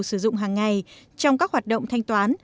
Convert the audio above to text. sử dụng hàng ngày trong các hoạt động thanh toán